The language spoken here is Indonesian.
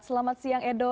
selamat siang edo